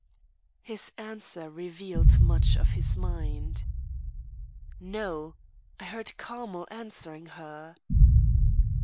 His answer revealed much of his mind. "No, I heard Carmel's answering her."